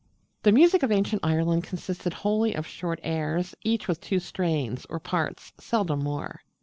The music of ancient Ireland consisted wholly of short airs, each with two strains or parts seldom more.